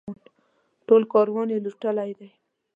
ټول کاروان یې لوټلی دی.